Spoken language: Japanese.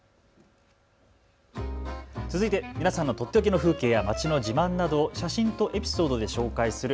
続いて皆さんのとっておきの風景や街の自慢などを写真とエピソードで紹介する＃